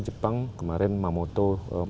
jepang kemarin mamut sekali